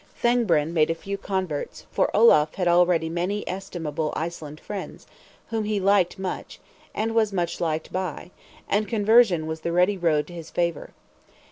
Thangbrand made a few converts; for Olaf had already many estimable Iceland friends, whom he liked much, and was much liked by; and conversion was the ready road to his favor.